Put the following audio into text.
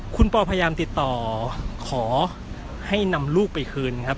คุณปอพยายามติดต่อขอให้นำลูกไปคืนครับ